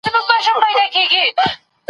اصلي دوست عیبونه په مینه او اخلاص ښيي.